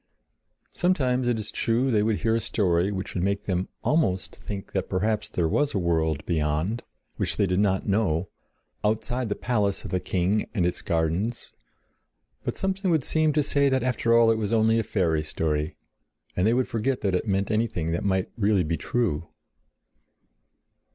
Sometimes, it is true, they would hear a story which would make them almost think that perhaps there was a world beyond, which they did not know, outside the palace of the king and its gardens, but something would seem to say that after all it was only a fairy story, and they would forget that it meant anything that might really be true.